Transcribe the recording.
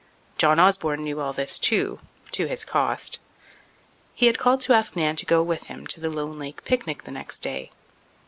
John Osborne knew all this too, to his cost. He had called to ask Nan to go with him to the Lone Lake picnic the next day.